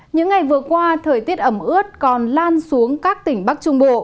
những ngày vừa qua thời tiết ẩm ướt còn lan xuống các tỉnh bắc trung bộ